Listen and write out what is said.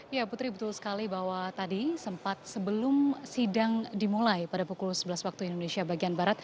ya putri betul sekali bahwa tadi sempat sebelum sidang dimulai pada pukul sebelas wib